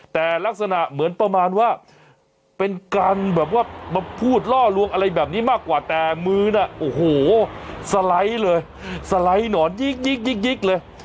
แต่ลักษณะเหมือนประมาณว่าเป็นการแบบว่ามาพูดล่อลวงอะไรแบบนี้มากกว่าแต่มือน่ะโอ้โหสไลด์เลยสไลด์หนอนยิกเลย